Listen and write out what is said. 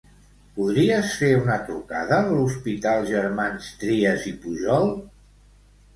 Podries fer una trucada a l'Hospital Germans Trias i Pujol?